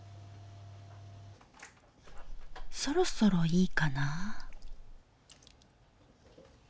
そろそろいいかな。